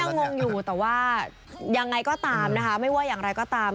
งงอยู่แต่ว่ายังไงก็ตามนะคะไม่ว่าอย่างไรก็ตาม